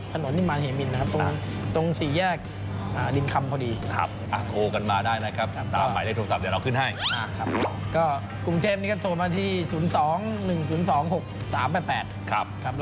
ไปทานกันเลยครับ